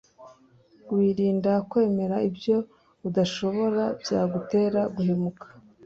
wirinda kwemera ibyo udashoboye byagutera guhemuka.